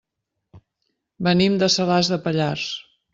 Venim de Salàs de Pallars.